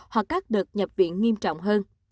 hoặc các đợt nhập viện nghiêm trọng hơn